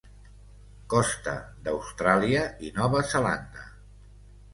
Costa d'Austràlia i Nova Zelanda.